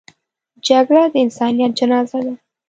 جګړه د انسانیت جنازه ده